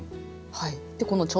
はい。